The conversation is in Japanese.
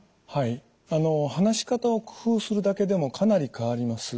話し方を工夫するだけでもかなり変わります。